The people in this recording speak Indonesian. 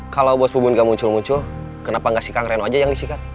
kalau bos bubun gak muncul muncul kenapa gak si kang reno aja yang disikat